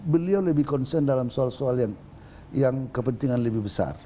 beliau lebih concern dalam soal soal yang kepentingan lebih besar